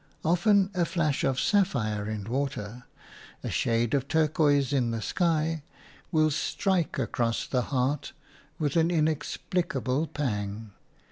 Often a flash of sapphire in water, a shade of turquoise in the sky, will strike across the heart with an inexplicable pang.